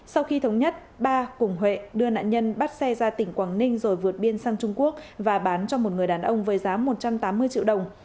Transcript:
sau khi thống nhất ba cùng huệ đưa nạn nhân bắt xe ra tỉnh quảng ninh rồi vượt biên sang trung quốc và bán cho một người đàn ông với giá một trăm tám mươi triệu đồng